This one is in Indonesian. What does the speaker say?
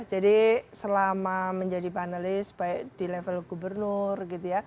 jadi selama menjadi panelis baik di level gubernur gitu ya